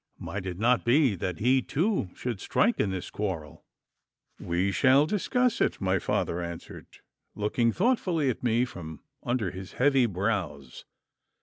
Might it not be that he too should strike in this quarrel?' 'We shall discuss it,' my father answered, looking thoughtfully at me from under his heavy brows.